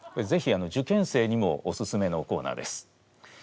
ぜひ受験生にもおすすめのコーナーです。